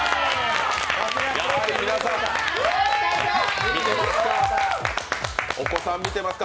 やはり皆さん、見てますか。